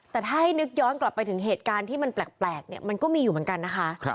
แต่ถ้าให้นึกย้อนกลับไปถึงเหตุการณ์ที่มันแปลกเนี่ยมันก็มีอยู่เหมือนกันนะคะ